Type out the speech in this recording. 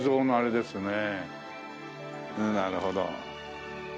なるほど。